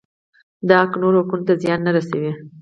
دا حق نورو حقوقو ته زیان نه رسوي.